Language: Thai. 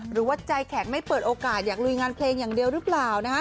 หรือว่าใจแข็งไม่เปิดโอกาสอยากลุยงานเพลงอย่างเดียวหรือเปล่า